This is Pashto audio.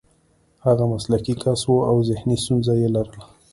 هغه مسلکي کس و او ذهني ستونزه یې لرله